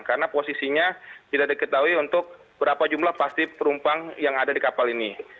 karena posisinya tidak diketahui untuk berapa jumlah pasif perumpang yang ada di kapal ini